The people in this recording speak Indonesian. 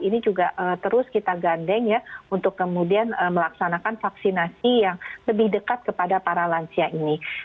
ini juga terus kita gandeng ya untuk kemudian melaksanakan vaksinasi yang lebih dekat kepada para lansia ini